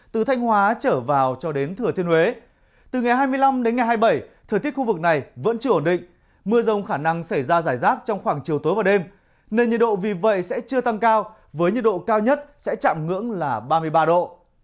từ năm đến ngày hai mươi bảy thời tiết khu vực này vẫn chưa ổn định mưa rông khả năng xảy ra giải rác trong khoảng chiều tối và đêm nền nhiệt độ vì vậy sẽ chưa tăng cao với nhiệt độ cao nhất sẽ chạm ngưỡng là ba mươi ba độ